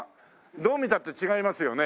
どう見たって違いますよね？